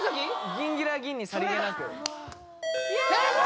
「ギンギラギンにさりげなく」正解！